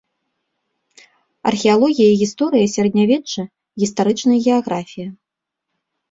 Археалогія і гісторыя сярэднявечча, гістарычная геаграфія.